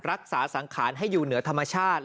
รักษาสังขารให้อยู่เหนือธรรมชาติ